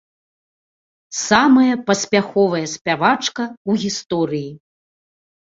Самая паспяховая спявачка ў гісторыі.